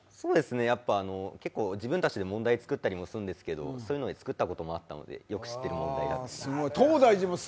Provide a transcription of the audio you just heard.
やっぱり結構自分たちで問題作ったりもするんですけれどもそういうので作ったりすることもあったので、よく知っている問題が出ました。